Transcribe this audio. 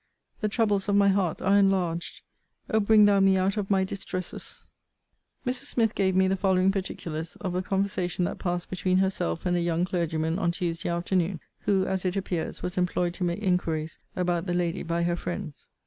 The troubles of my heart are enlarged. O bring thou me out of my distresses! Mrs. Smith gave me the following particulars of a conversation that passed between herself and a young clergyman, on Tuesday afternoon, who, as it appears, was employed to make inquiries about the lady by her friends.